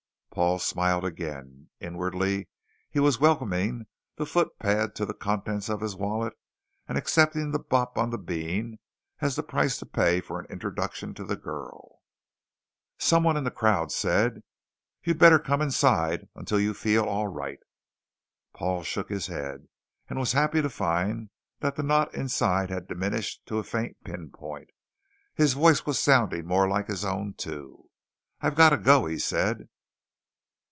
Paul smiled again. Inwardly he was welcoming the footpad to the contents of his wallet and accepting the bop on the bean as the price to pay for an introduction to the girl. Someone in the crowd said: "You'd better come inside until you feel all right." Paul shook his head and was happy to find that the knot inside had diminished to a faint pinpoint. His voice was sounding more like his own, too. "I've got to go," he said.